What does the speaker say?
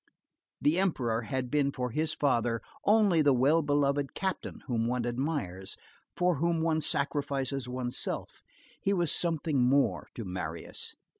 The Emperor had been for his father only the well beloved captain whom one admires, for whom one sacrifices one's self; he was something more to Marius.